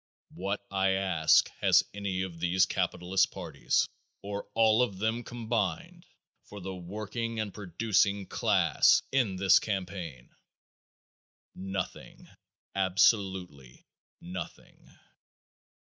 What, I ask, has any of these capitalist parties, or all of them combined, for the working and producing class in this campaign? Nothing. Absolutely nothing.